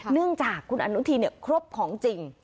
เนื่องจากคุณอนุทินครบของจริง